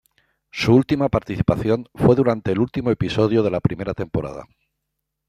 Su última participación fue durante el último episodio de la primera temporada.